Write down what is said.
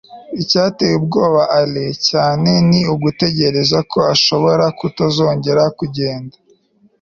icyateye ubwoba alain cyane ni ugutekereza ko ashobora kutazongera kugenda